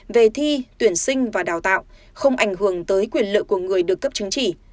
về thi tuyển sinh và đào tạo không ảnh hưởng tới quyền lợi của người được cấp chứng chỉ